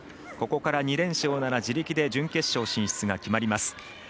ここから２連勝なら自力で準決勝進出が決まります。